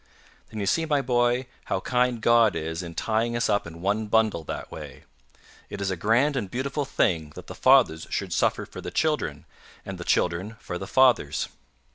"Then you see, my boy, how kind God is in tying us up in one bundle that way. It is a grand and beautiful thing that the fathers should suffer for the children, and the children for the fathers.